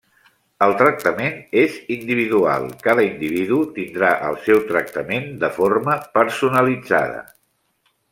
El tractament és individual, cada individu tindrà el seu tractament de forma personalitzada.